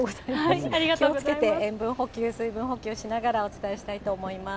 気をつけて、塩分補給、水分補給しながらお伝えしたいと思います。